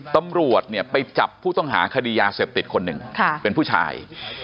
ตำรวจเนี่ยไปจับผู้ต้องหาคดียาเสพติดคนหนึ่งเป็นผู้ชาย